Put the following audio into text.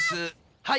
はい。